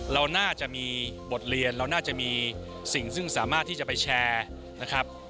เราน่าจะมีบทเรียนเราน่าจะมีสิ่งซึ่งสามารถที่จะไปแชร์นะครับ